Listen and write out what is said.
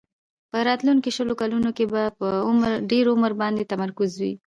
په راتلونکو شلو کلونو کې به په ډېر عمر باندې تمرکز وي.